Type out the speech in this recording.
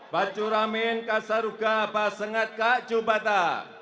bacuramin kasaruga basengat kak cubata